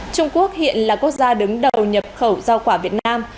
trung quốc hiện là quốc gia đứng đầu nhập khẩu giao quả việt nam